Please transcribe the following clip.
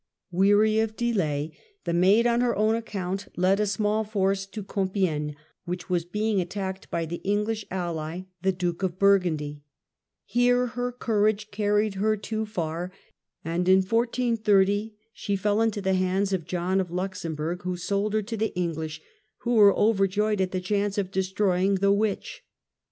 Weary of delay the Maid, on her own account, led a small force to Compiegne, which w^as being attacked by the English Capture of ally, the Duke of Burgundy. Here her courage carried Joan, 1430 j^gj, ^^^ £g^j,^ g^j j^ gj^g £gU j^ ^^q ^l^g hauds of Johu of Luxem burg ; he sold her to the English, who were overjoyed at the chance of destroying the "witch".